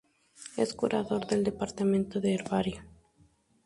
Es curador del Departamento de herbario.